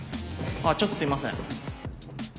あちょっとすいません。